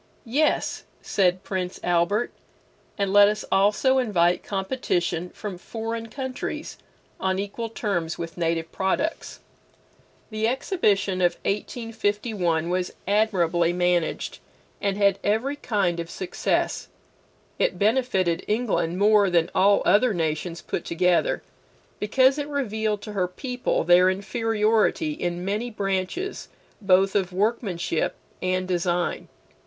Yes, said Prince Albert, and let us also invite competition from foreign countries on equal terms with native products. The Exhibition of 1851 was admirably managed, and had every kind of success. It benefited England more than all other nations put together, because it revealed to her people their inferiority in many branches both of workmanship and design.